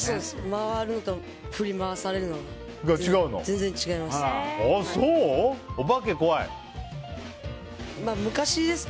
回ると振り回されるのは全然違います。